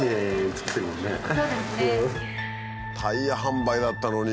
タイヤ販売だったのに。